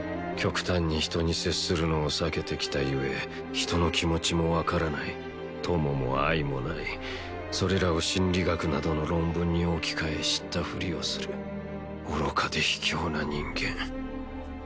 極端に人に接するのを避けてきたゆえ人の気持ちも分からない友も愛もないそれらを心理学などの論文に置き換え知った振りをする愚かで卑怯な人間